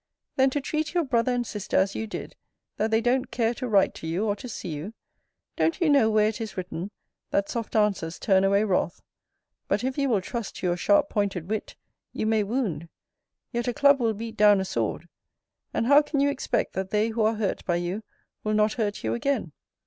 Then to treat your brother and sister as you did, that they don't care to write to you, or to see you! Don't you know where it is written, That soft answers turn away wrath? But if you will trust to you sharp pointed wit, you may wound. Yet a club will beat down a sword: And how can you expect that they who are hurt by you will not hurt you again?